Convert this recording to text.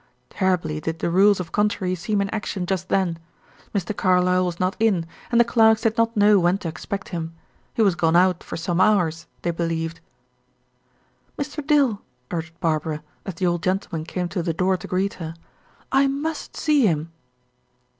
Terribly did the rules of contrary seem in action just then. Mr. Carlyle was not in, and the clerks did not know when to expect him; he was gone out for some hours, they believed. "Mr. Dill," urged Barbara, as the old gentleman came to the door to greet her, "I must see him."